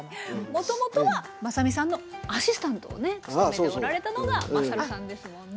もともとはまさみさんのアシスタントをね務めておられたのがまさるさんですもんね。